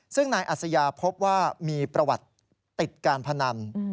ซึ่งนายอัศยาพบว่ามีประวัติติดการพนัน